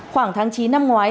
khoảng tháng chín năm ngoái